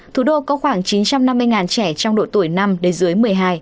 thủ đô có khoảng chín trăm năm mươi trẻ trong độ tuổi năm đến dưới một mươi hai